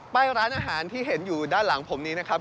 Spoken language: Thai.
ร้านอาหารที่เห็นอยู่ด้านหลังผมนี้นะครับ